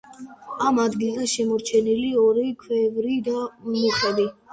ამ ადგილას შემორჩენილია ორი ქვევრი და მუხები.